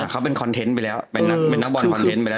เขาเป็นคอนเทนต์ไปแล้วเป็นนักบอลคอนเทนต์ไปแล้ว